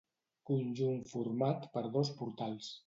Conjunt format per dos portals.